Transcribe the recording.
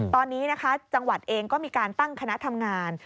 ตอนนี้นะคะจังหวัดเองก็มีการตั้งคณะทำงาน